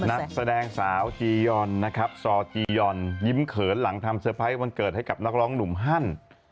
นักแสดงสาวจียอนนะครับซอจียอนยิ้มเขินหลังทำเซอร์ไพรส์วันเกิดให้กับนักร้องหนุ่มฮั่น